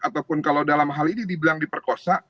ataupun kalau dalam hal ini dibilang diperkosa